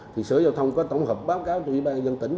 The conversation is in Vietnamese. thì sở giao thông có tổng hợp báo cáo cho ủy ban dân tỉnh